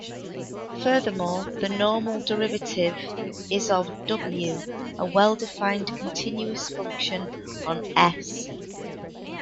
Furthermore, the normal derivative is of "w" a well-defined continuous function on "S".